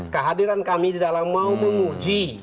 kehadiran kami di dalam mau menguji